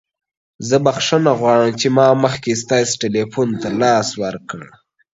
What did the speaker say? زه بخښنه غواړم چې ما مخکې ستاسو تلیفون له لاسه ورکړ.